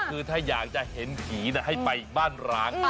คือถ้าอยากจะเห็นผีให้ไปบ้านร้าง